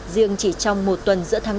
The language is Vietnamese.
riêng chỉ trong một tuần giữa tháng bốn